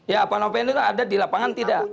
ya panopen itu ada di lapangan tidak